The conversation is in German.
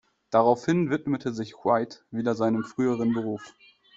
Daraufhin widmete sich White wieder seinem früheren Beruf.